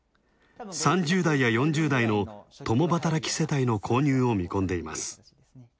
３０代や４０代の共働き世帯の購入を見込んでいます。